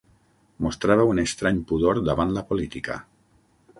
Mostrava un estrany pudor davant la política.